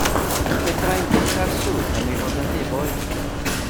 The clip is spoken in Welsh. Fedrai 'im byta'r sŵp am 'i fod o'n rhy boeth.